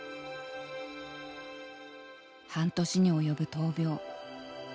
半年に及ぶ闘病。